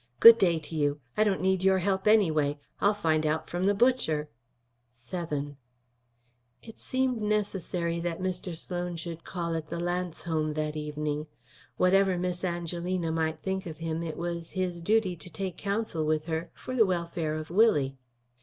"Good day to you. I don't need your help, anyway. I'll find out from the butcher." VII It seemed necessary that Mr. Sloan should call at the Lance home that evening. Whatever Miss Angelina might think of him, it was his duty to take counsel with her for the welfare of Willie.